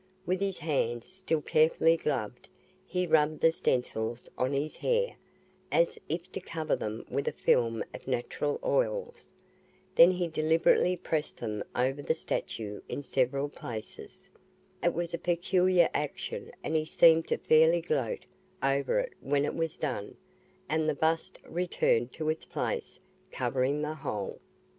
With his hands, still carefully gloved, he rubbed the stencils on his hair, as if to cover them with a film of natural oils. Then he deliberately pressed them over the statue in several places. It was a peculiar action and he seemed to fairly gloat over it when it was done, and the bust returned to its place, covering the hole.